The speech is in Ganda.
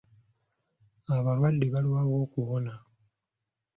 Abalwadde balwawo okuwona.